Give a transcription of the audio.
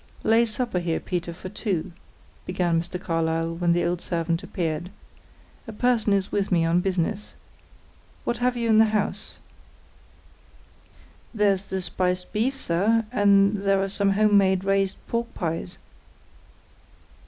"Lay supper here, Peter, for two," began Mr. Carlyle, when the old servant appeared. "A person is with me on business. What have you in the house?" "There's the spiced beef, sir; and there are some home made raised pork pies."